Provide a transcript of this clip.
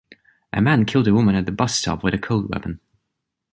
A man killed a woman at the bus stop with a cold weapon.